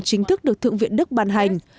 chính thức được thượng viện đức bàn hành